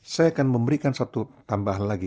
saya akan memberikan satu tambahan lagi